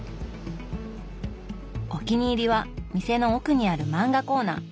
お気に入りは店の奥にある漫画コーナー。